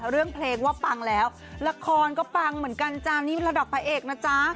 เรื่องเพลงว่าปังแล้วละครก็ปังเหมือนกันจ้านี่ระดับพระเอกนะจ๊ะ